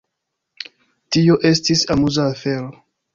Tio estis amuza afero.